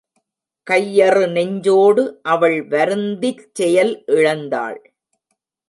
கையறு நெஞ்சோடு அவள் வருந்திச் செயல் இழந்தாள்.